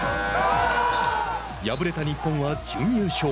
敗れた日本は準優勝。